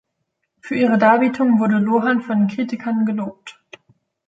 Für ihre Darbietung wurde Lohan von den Kritikern gelobt.